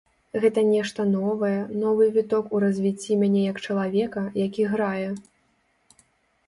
Гэта нешта новае, новы віток у развіцці мяне як чалавека, які грае.